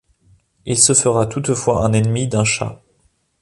Il se fera toutefois un ennemi d'un chat.